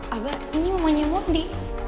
abah ini momenya bondi